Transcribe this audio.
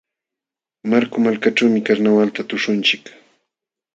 Marku malkaćhuumi karnawalta tuśhunchik.